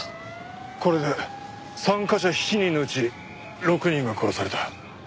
これで参加者７人のうち６人が殺された。